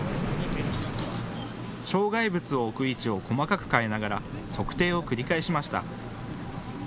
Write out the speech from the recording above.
障害物を置く位置を細かく変えながら測定を繰り返しました。